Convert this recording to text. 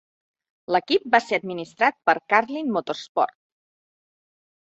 L'equip va ser administrat per Carlin Motorsport.